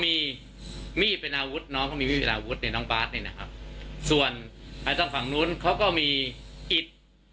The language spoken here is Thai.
มีมีดเป็นอาวุธน้องเขามีมีดเป็นอาวุธในน้องบาสนี่นะครับส่วนไอ้ต้องฝั่งนู้นเขาก็มีอิด